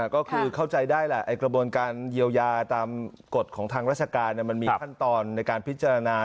ก็คือเข้าใจได้แหละกระบวนการเยียวยาตามกฎของทางราชการมันมีขั้นตอนในการพิจารณา